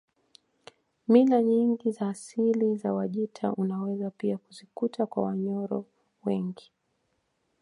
Mila nyingi za asili za Wajita unaweza pia kuzikuta kwa Wanyoro wengi